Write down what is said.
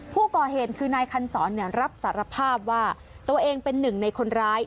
ผู้ก่อเหตุคือนายคันศรรับสารภาพว่าตัวเองเป็นหนึ่งในคนร้าย